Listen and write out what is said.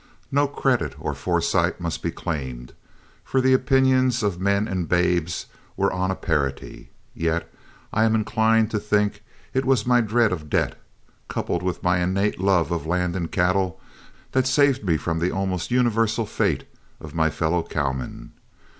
No credit or foresight must be claimed, for the opinions of men and babes were on a parity; yet I am inclined to think it was my dread of debt, coupled with an innate love of land and cattle, that saved me from the almost universal fate of my fellow cowmen.